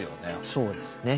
そうですね。